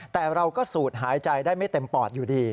แต่เราก็สูดหายใจได้ไม่เต็มปอดอยู่ดี